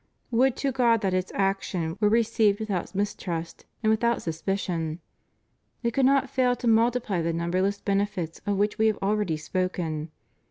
Would to God that its action were received without mistrust and without suspicion. It could not fail to multiply the numberless benefits of which We have already spoken.